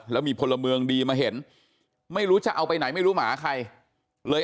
แล้วมีพลเมืองดีมาเห็นไม่รู้จะเอาไปไหนไม่รู้หมาใครเลย